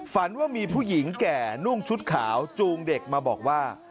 ฝันว่ามีผู้หญิงแก่นุ่งชุดขาวจูงเด็กมาบอกว่า